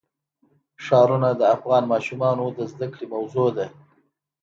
ښارونه د افغان ماشومانو د زده کړې موضوع ده.